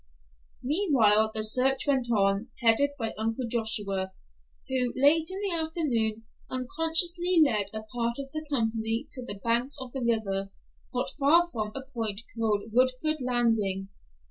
Meanwhile the search went on, headed by Uncle Joshua, who, late in the afternoon, unconsciously led a part of the company to the banks of the river, not far from a point called Woodford Landing.